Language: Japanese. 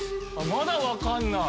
まだ分かんない。